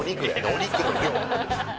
お肉の量。